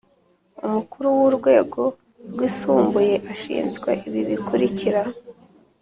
Umukuru w urwego Rwisumbuye ashinzwe ibi bikurikira